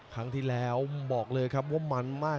ครั้งที่แล้วบอกเลยครับว่ามันมาก